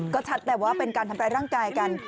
ก็ชัดแหละว่าเป็นการทำร้ายร่างกายกัน